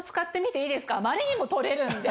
あまりにも取れるんで。